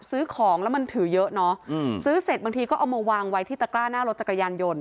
ซื้อของแล้วมันถือเยอะเนอะซื้อเสร็จบางทีก็เอามาวางไว้ที่ตะกร้าหน้ารถจักรยานยนต